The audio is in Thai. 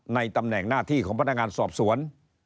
ในตำแหน่งหน้าที่ของพนักงานสอบสวน